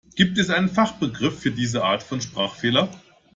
Gibt es einen Fachbegriff für diese Art von Sprachfehler?